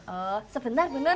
oh sebentar bu nur